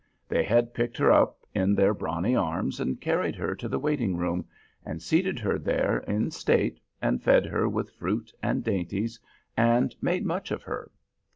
They had picked her up in their brawny arms and carried her to the waiting room, and seated her there in state and fed her with fruit and dainties, and made much of her.